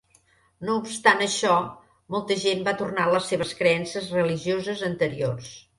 No obstant això, molta gent va tornar a les seves creences religioses anteriors.